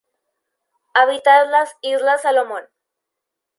Habita en las Islas Salomón.